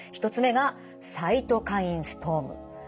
１つ目がサイトカインストーム。